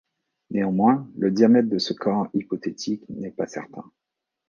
Néanmoins, le diamètre de ce corps hypothétique n'est pas certain.